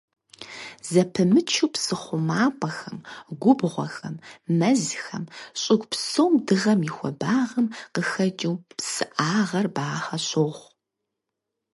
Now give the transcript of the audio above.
Зэпымычу псы хъумапӀэхэм, губгъуэхэм, мэзхэм, щӀыгу псом дыгъэм и хуабагъэм къыхэкӀыу псыӀагъэр бахъэ щохъу.